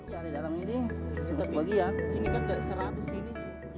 kita lihat ini kan sudah seratus ini